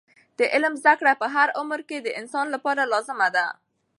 د علم زده کړه په هر عمر کې د انسان لپاره لازمه ده.